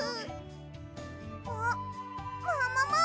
あっももも！